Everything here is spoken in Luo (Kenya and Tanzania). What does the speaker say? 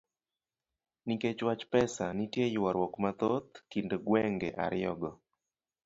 Nikech wach pesa, nitie ywaruok mathoth kind gwenge ariyogo.